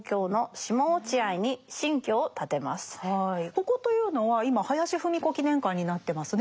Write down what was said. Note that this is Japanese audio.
ここというのは今林芙美子記念館になってますね。